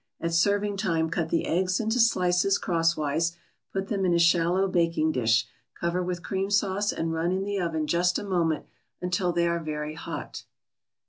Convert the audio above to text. At serving time cut the eggs into slices crosswise, put them in a shallow baking dish, cover with cream sauce and run in the oven just a moment until they are very hot.